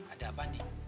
ada apa andi